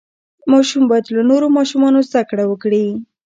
ماشوم باید له نورو ماشومانو زده کړه وکړي.